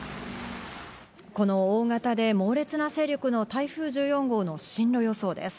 この大型で猛烈な勢力の台風１４号の進路予想です。